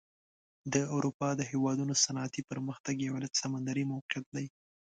د اروپا د هېوادونو صنعتي پرمختګ یو علت سمندري موقعیت دی.